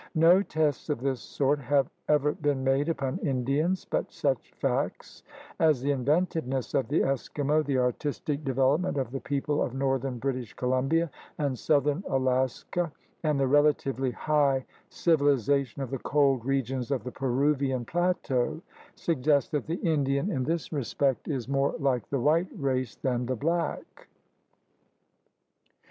No tests of this sort have ever been made upon Indians, but such facts as the inventiveness of the Eskimo, the artistic development of the people of northern British Columbia and southern Alaska, and the relatively high civilization of the cold regions of the Peruvian plateau suggest that the Indian in this respect is more like the white race than the black.